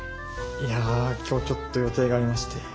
いや今日ちょっと予定がありまして。